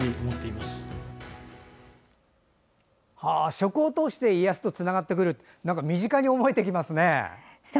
食を通して家康とつながってくると身近に思えてきますね。